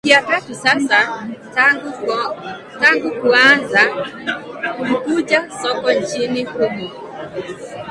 ni wiki ya tatu sasa tangu kuaanza kulikuja soka nchini humo